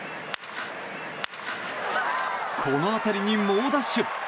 この当たりに猛ダッシュ。